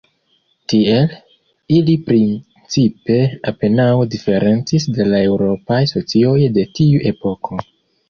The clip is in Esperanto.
Tiel, ili principe apenaŭ diferencis de la eŭropaj socioj de tiu epoko.